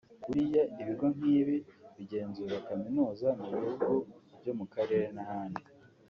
Buriya ibigo nk’ibi bigenzura kaminuza mu bihugu byo mu karere n’ahandi